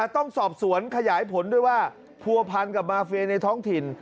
ต้องสอบสวนขยายผลด้วยว่าผัวพันกับมาเฟียในท้องถิ่น